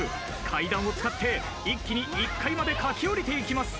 階段を使って一気に１階まで駆け下りていきます。